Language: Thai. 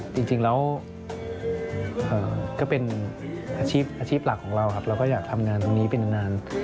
จริงแล้วก็เป็นอาชีพอาชีพหลักของเราครับเราก็อยากทำงานตรงนี้เป็นนาน